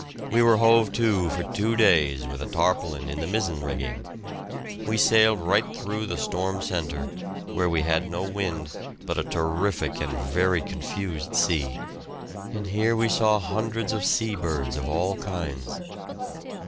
We were hove to for two days with a tarpaulin in the mizzen rigging. We sailed right through the storm centre, where we had no wind, but a terrific and very confused sea, and here we saw hundreds of sea birds of all kinds.